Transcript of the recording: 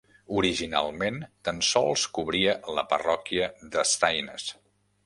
Originalment tan sols cobria la parròquia de Staines.